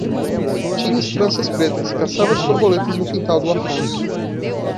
tinhas tranças pretas e caçavas borboletas no quintal do Afonso.